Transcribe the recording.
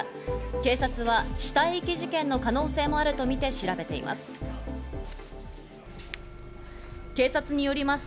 警察は死体遺棄事件の可能性もあるとみて調べています。